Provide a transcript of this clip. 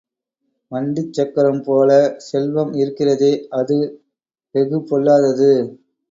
வண்டிச் சக்கரம் போல செல்வம் இருக்கிறதே, அது வெகுபொல்லாதது.